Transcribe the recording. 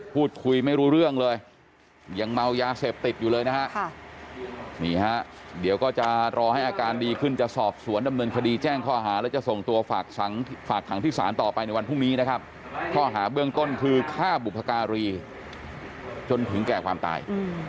พรุ่งนี้นะครับข้อหาเบื้องต้นคือฆ่าบุพการีจนถึงแก่ความตาย